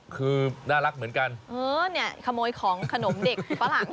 คือน่ารักเหมือนกันเออเนี่ยขโมยของขนมเด็กฝรั่ง